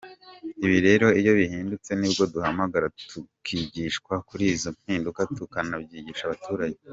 Ibi rero iyo bihindutse nibwo duhamagarwa tukigishwa kuri izo mpinduka tukanabyigisha abaturage.